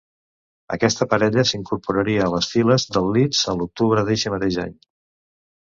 Aquesta parella s'incorporaria a les files del Leeds a l'octubre d'eixe mateix any.